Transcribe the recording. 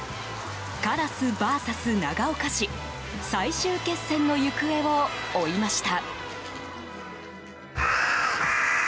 カラスＶＳ長岡市最終決戦の行方を追いました。